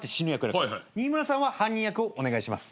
新村さんは犯人役をお願いします。